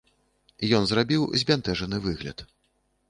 Ён зрабіў збянтэжаны выгляд.